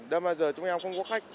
đến bây giờ chúng em không có khách